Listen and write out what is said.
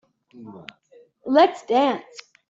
Let's dance.